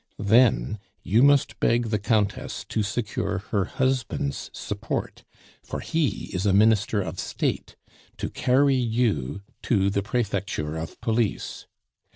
Then you must beg the Countess to secure her husband's support, for he is a Minister of State, to carry you to the Prefecture of Police.